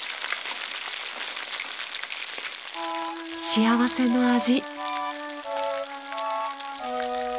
幸せの味。